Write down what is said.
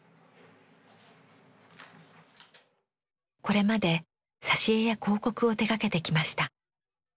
これまで挿絵や広告を手がけてきました。